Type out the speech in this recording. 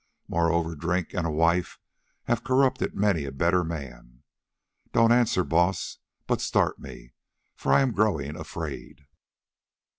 Moreover, drink and a wife have corrupted many a better man. Don't answer, Baas, but start me, for I am growing afraid."